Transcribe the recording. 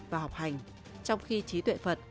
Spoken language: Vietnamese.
và học hành trong khi trí tuệ phật